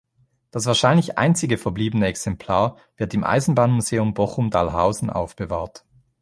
Das wahrscheinlich einzige verbliebene Exemplar wird im Eisenbahnmuseum Bochum-Dahlhausen aufbewahrt.